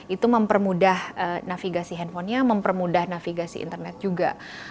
itu mempermudah navigasi handphonenya mempermudah navigasi internet juga